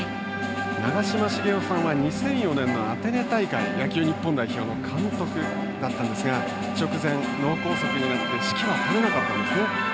長嶋茂雄さんは２００４年のアテネ大会野球日本代表の監督でしたが直前、脳梗塞になって指揮は執れなかったんですね。